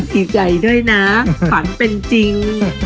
ดีใจด้วยนะฝันเป็นจริง